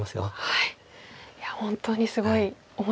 はい。